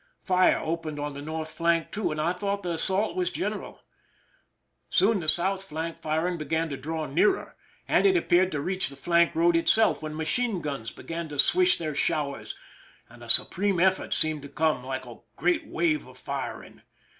Fire opened on the north flank too, and I thought the assault was general. Soon the south flank flr ing began to draw nearer, and it appeared to reach the flank road itself, when machine guns began to swish their showers, and a supreme effort seemed to come, like a great wave of firing.